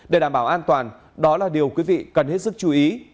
để đảm bảo an toàn đó là điều quý vị cần hết sức chú ý